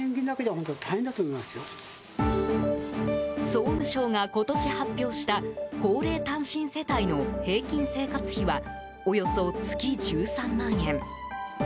総務省が今年発表した高齢単身世帯の平均生活費はおよそ月１３万円。